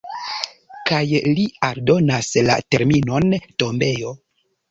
Kaj li aldonas la terminon "tombejo".